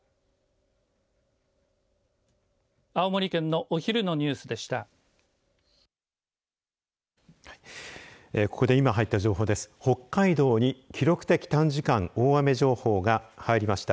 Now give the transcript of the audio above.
青森県のお昼のニュースでした。